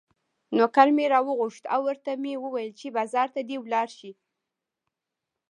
نوکر مې راوغوښت او ورته مې وویل چې بازار ته دې ولاړ شي.